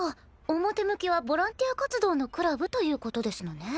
表向きはボランティア活動のクラブということですのね。